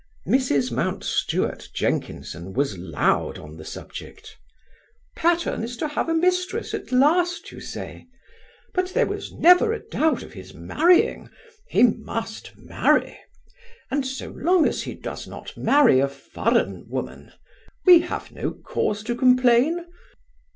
Mrs. Mountstuart Jenkinson was loud on the subject: "Patterne is to have a mistress at last, you say? But there never was a doubt of his marrying he must marry; and, so long as he does not marry a foreign woman, we have no cause to complain.